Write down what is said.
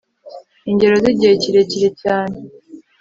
Ingero zigihe kirekire cyane